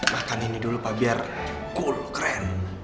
makan ini dulu pak biar cool keren